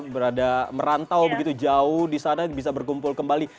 berada merantau begitu jauh di sana bisa berkumpul kembali